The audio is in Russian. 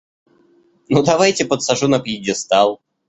Ну, давайте, подсажу на пьедестал.